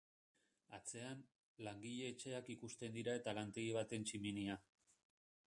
Atzean, langile-etxeak ikusten dira eta lantegi baten tximinia.